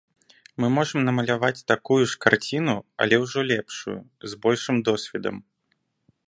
Мы можам намаляваць такую ж карціну, але ўжо лепшую, з большым досведам.